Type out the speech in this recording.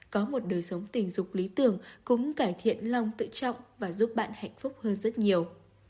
có một đời sống tình dục lý tưởng cũng cải thiện lòng tự trọng và giúp bạn hạnh phúc hơn rất nhiều